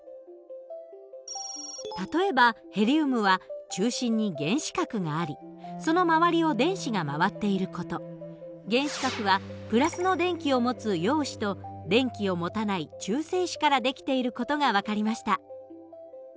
例えばヘリウムは中心に原子核がありその周りを電子が回っている事原子核はプラスの電気を持つ陽子と電気を持たない中性子からできている事が分かりました。